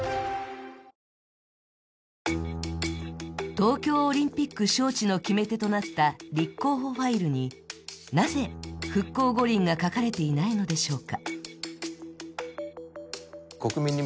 東京オリンピック招致の決め手となった立候補ファイルになぜ、復興五輪が書かれていないのでしょうか。